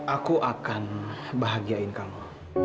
aku akan bahagiain kamu